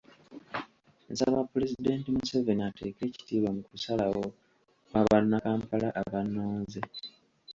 Nsaba Pulezidenti Museveni ateeke ekitiibwa mu kusalawo kwa bannakampala abannoonze.